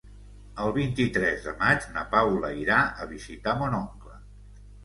El vint-i-tres de maig na Paula irà a visitar mon oncle.